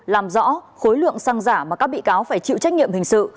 làm rõ khối lượng xăng giả mà các bị cáo phải chịu trách nhiệm hình sự